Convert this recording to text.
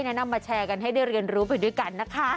แนะนำมาแชร์กันให้ได้เรียนรู้ไปด้วยกันนะคะ